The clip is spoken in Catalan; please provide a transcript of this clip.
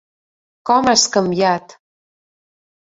Com has canviat!